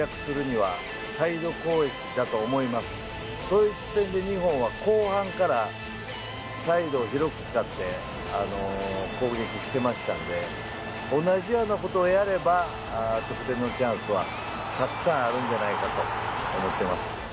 ドイツ戦で日本は後半からサイドを広く使って攻撃してましたので同じようなことをやれば得点のチャンスはたくさんあるんじゃないかと思っています。